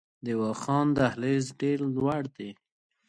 د واخان دهلیز ډیر لوړ دی